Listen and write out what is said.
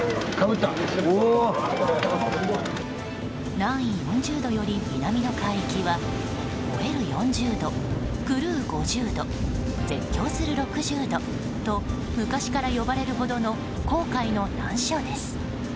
南緯４０度より南の海域は吠える４０度狂う５０度、絶叫する６０度と昔から呼ばれるほどの航海の難所です。